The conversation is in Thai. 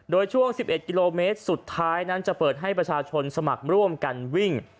โดยช่วง๑๑กิโลเมตรสุดท้ายนั้นจะเปิดให้ประชาชนสมัครร่วมกันวิ่ง